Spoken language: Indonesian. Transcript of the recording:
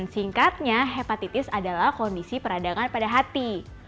singkatnya hepatitis adalah kondisi peradangan pada hati